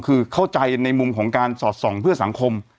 คือเข้าใจในมุมของการสอดส่องเพื่อสังคม